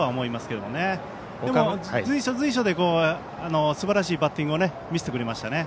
でも随所随所ですばらしいバッティングを見せてくれましたね。